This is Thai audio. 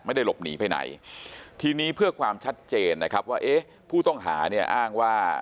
หลบหนีไปไหนทีนี้เพื่อความชัดเจนนะครับว่าเอ๊ะผู้ต้องหาเนี่ยอ้างว่า